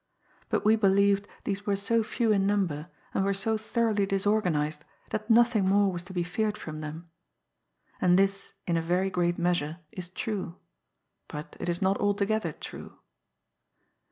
But we believed these were so few in number and were so thoroughly disorganised that nothing more was to be feared from them. And this in a very great measure is true; but it is not altogether true.